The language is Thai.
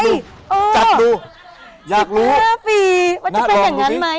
๑๕ปีกว่าจะเป็นอย่างนั้นไหมยังอยู่ไหม